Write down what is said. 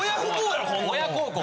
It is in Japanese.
親孝行。